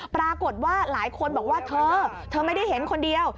ปรากฏว่าหลายคนบอกว่าเธอเธอไม่ได้เห็นคนเดียว